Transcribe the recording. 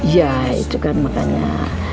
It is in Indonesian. ya itu kan makanya